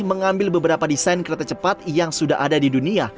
mengambil beberapa desain kereta cepat yang sudah ada di dunia